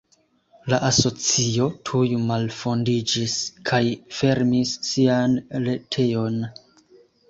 La asocio tuj malfondiĝis kaj fermis sian retejon.